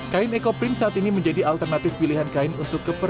kain ekoprin saat ini menjadi alternatif pilihan kain untuk keperluan